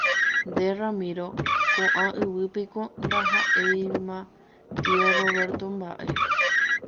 Nde Ramiro, ko'ã yvy piko ndaha'evéima tio Roberto mba'e.